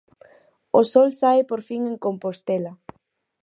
O sol sae por fin en Compostela.